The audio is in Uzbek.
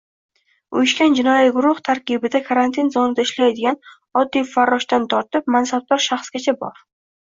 Uyushgan jinoiy guruh tarkibida karantin zonada ishlagan oddiy farroshdan tortib, mansabdor shaxsgacha bor.